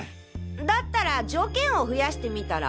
だったら条件を増やしてみたら？